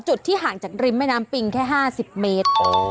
จุดที่ห่างจากริมแม่น้ำปิงแค่๕๐เมตร